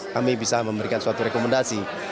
kami bisa memberikan suatu rekomendasi